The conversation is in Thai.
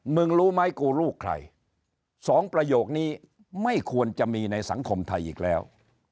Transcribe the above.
รู้ไหมกูลูกใครสองประโยคนี้ไม่ควรจะมีในสังคมไทยอีกแล้ว